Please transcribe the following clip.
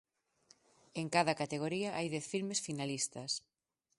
E en cada categoría hai dez filmes finalistas.